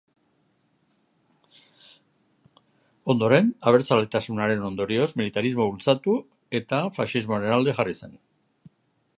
Ondoren, abertzaletasunaren ondorioz, militarismoa bultzatu eta faxismoaren alde jarri zen.